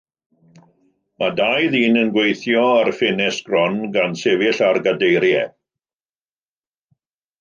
Mae dau ddyn yn gweithio ar ffenestr gron gan sefyll ar gadeiriau.